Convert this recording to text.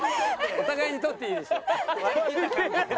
お互いにとっていいでしょ？